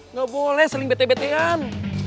nggak boleh saling bete betean